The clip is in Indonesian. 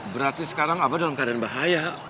berarti sekarang abah dalam keadaan bahaya